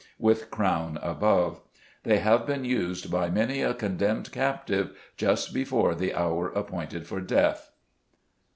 with crown above. They have been used by many a condemned captive just before the hour appointed for death.